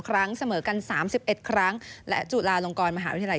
ครั้งเสมอกันสามสิบเอ็ดครั้งและจุฬารงค์มหาวิทยาลัย